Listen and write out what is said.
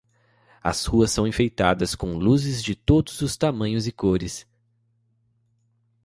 As ruas são enfeitadas com luzes de todos os tamanhos e cores.